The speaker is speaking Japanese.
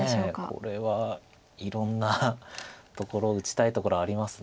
これはいろんなところ打ちたいところあります。